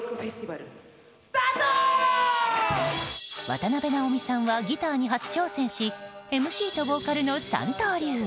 渡辺直美さんはギターに初挑戦しＭＣとボーカルの三刀流。